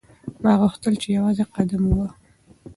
ما غوښتل چې یوازې قدم ووهم.